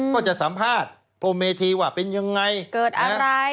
ก็จะสัมภาษณ์พรมเมธีว่าเป็นยังไงเกิดอะไร